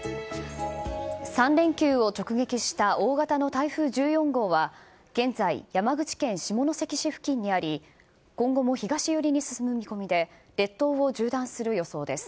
３連休を直撃した大型の台風１４号は、現在、山口県下関市付近にあり、今後も東寄りに進む見込みで、列島を縦断する予想です。